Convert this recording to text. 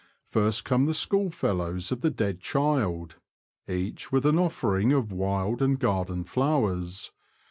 First come the schoolfellows of the dead child, each with an offering of wild and garden flowers.